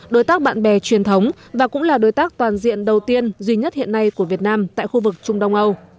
đối tác bạn bè truyền thống và cũng là đối tác toàn diện đầu tiên duy nhất hiện nay của việt nam tại khu vực trung đông âu